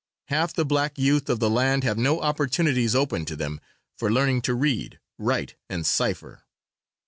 Half the black youth of the land have no opportunities open to them for learning to read, write and cipher.